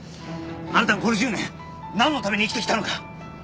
あなたがこの１０年なんのために生きてきたのか。